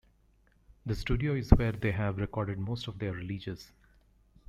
The studio is where they have recorded most of their releases.